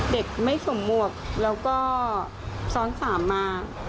เด็กไม่สวมหมวกแล้วก็ซ้อนสามมา